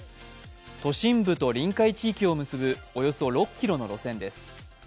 都心部と臨海地域を結ぶ、およそ６ｋｍの路線です。